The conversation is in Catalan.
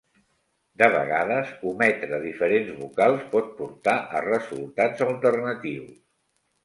De vegades ometre diferents vocals pot portar a resultats alternatius.